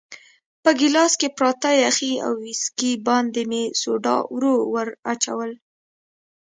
په ګیلاس کې پراته یخي او ویسکي باندې مې سوډا ورو وراچول.